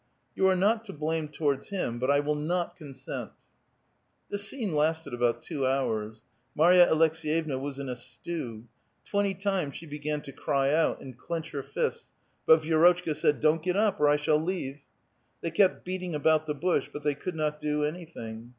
" You are not to blame towards him, but I will not con sent." This scene lasted about two hours. Marya Aleks^yevna was in a stew ; twenty times she began to cry out, and clench her fists, but Vii^^rotchka said :" Don't get up, or I shall leave !" They kept beating about the bush, but they could not do anything.